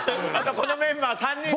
このメンバー３人で。